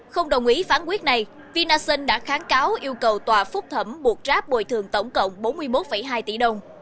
không đồng ý phán quyết này vinasun đã kháng cáo yêu cầu tòa phúc thẩm buộc grab bồi thường tổng cộng bốn mươi một hai tỷ đồng